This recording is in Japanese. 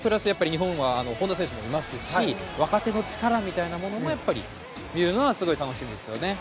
日本は本多選手もいますし若手の力みたいなものも非常に楽しみですね。